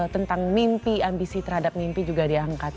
tentang mimpi ambisi terhadap mimpi juga diangkat